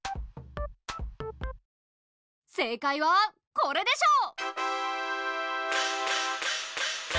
正解はこれでしょう。